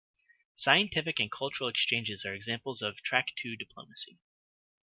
Scientific and cultural exchanges are examples of track two diplomacy.